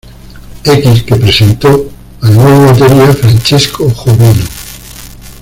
X", que presentó al nuevo batería Francesco Jovino.